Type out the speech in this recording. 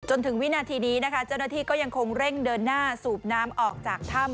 จนถึงวินาทีนี้นะคะเจ้าหน้าที่ก็ยังคงเร่งเดินหน้าสูบน้ำออกจากถ้ำ